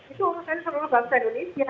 itu urusan yang selalu bangsa indonesia